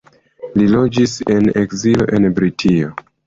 Li loĝis en ekzilo en Britio.